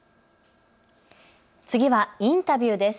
次はインタビューです。